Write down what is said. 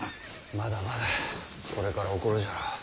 まだまだこれから起こるじゃろう。